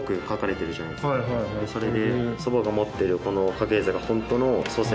それで。